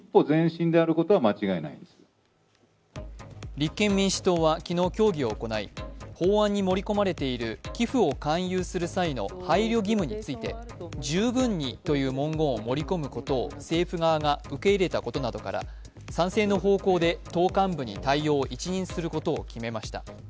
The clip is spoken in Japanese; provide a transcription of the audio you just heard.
立憲民主党は昨日協議を行い法案に盛り込まれている寄付を勧誘する際の配慮義務について「十分に」という文言を盛り込むことを政府側が受け入れたことなどから賛成の方向で党幹部に対応を一任することを決めました。